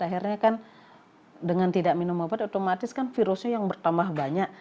akhirnya kan dengan tidak minum obat otomatis kan virusnya yang bertambah banyak